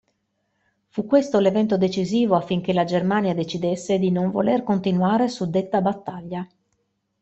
Fu questo l'evento decisivo affinché la Germania decidesse di non voler continuare suddetta battaglia.